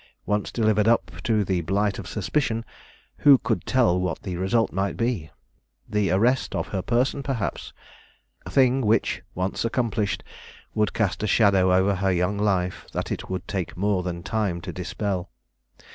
Once delivered up to the blight of suspicion, who could tell what the result might be; the arrest of her person perhaps, a thing which, once accomplished, would cast a shadow over her young life that it would take more than time to dispel.